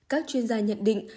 các chuyên gia nhận định